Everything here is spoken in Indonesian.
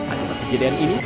akibat kejadian ini